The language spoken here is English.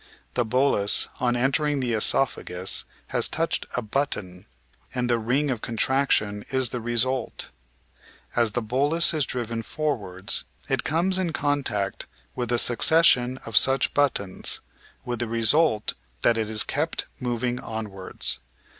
The bolus, on enter ing the oesophagus, has touched a 'button,' and the ring of con traction is the result. As the bolus is driven forwards it comes in contact with a succession of such buttons, with the result that it is kept moving onwards.